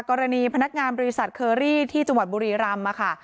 กรณีพนักงานบริษัทเคอรี่ที่จังหวัดบุรีรำค่ะ